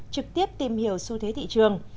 trực tiếp tìm hiểu xu thế thị trường